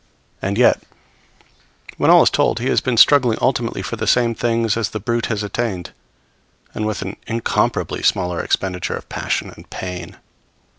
And yet, when all is told, he has been struggling ultimately for the very same things as the brute has attained, and with an incomparably smaller expenditure of passion and pain.